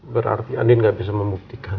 berarti andin gak bisa membuktikan